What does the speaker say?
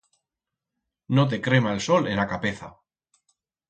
No te crema el sol en a capeza.